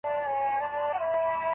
د شته من مړی یې تل غوښتی له خدایه